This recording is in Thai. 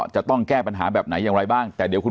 จะต้องแก้ปัญหาแบบไหนอย่างไรบ้างแต่เดี๋ยวคุณ